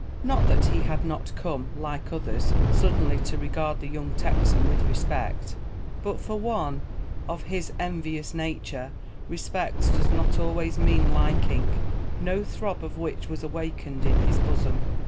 Not that he had not come, like others, suddenly to regard the young Texan with respect; but for one of his envious nature respect does not always mean liking, no throb of which was awakened in his bosom.